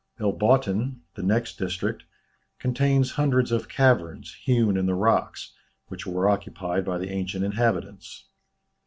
El Botthin, the next district, contains hundreds of caverns, hewn in the rocks, which were occupied by the ancient inhabitants.